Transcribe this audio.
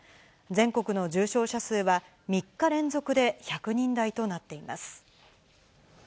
全国の重症者数は、３日連続で１００人台となっています。